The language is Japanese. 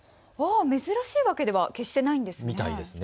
珍しいわけではないんですね。